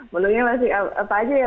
menunya masih apa aja ya